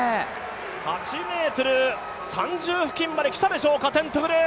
８ｍ３０付近まで来たでしょうか、テントグル。